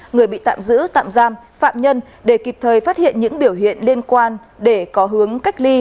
người bị tạm giữ tạm giam phạm nhân để kịp thời phát hiện những biểu hiện liên quan để có hướng cách ly